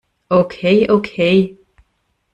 Okay, okay!